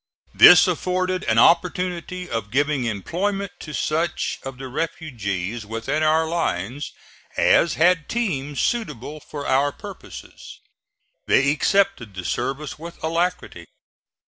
This afforded an opportunity of giving employment to such of the refugees within our lines as had teams suitable for our purposes. They accepted the service with alacrity.